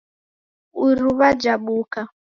Iruwa jabuka